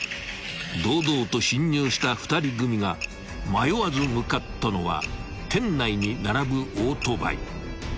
［堂々と侵入した２人組が迷わず向かったのは店内に並ぶオートバイ］